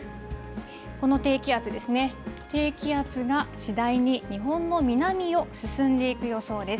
この低気圧ですね、低気圧が次第に日本の南を進んでいく予想です。